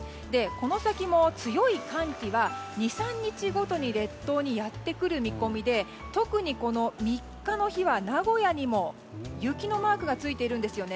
この先も強い寒気が２３日ごとに列島にやってくる見込みで特に３日の日は、名古屋にも雪のマークがついているんですよね。